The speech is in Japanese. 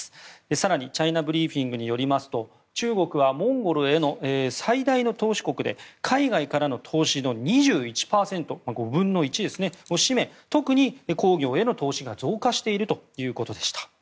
更に、チャイナブリーフィングによりますと中国はモンゴルへの最大の投資国で海外からの投資の２１％５分の１を占め特に鉱業への投資が増加しているということでした。